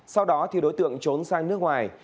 sau đó đối tượng trốn sang nước ngoài